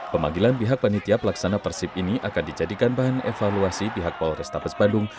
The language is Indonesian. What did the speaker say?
pemanggilan pihak panitia pelaksana persib ini akan dijadikan bahan evaluasi pihak polrestabes bandung